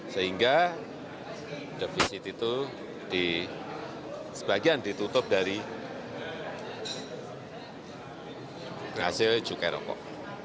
sehingga defisit itu sebagian ditutup dari hasil cukai rokok